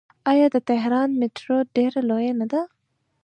آیا د تهران میټرو ډیره لویه نه ده؟